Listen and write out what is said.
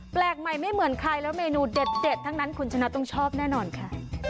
แปลกใหม่ไม่เหมือนใครแล้วเมนูเด็ดทั้งนั้นคุณชนะต้องชอบแน่นอนค่ะ